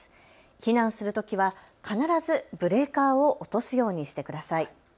避難するときは必ずブレーカーを落とすようにしてください。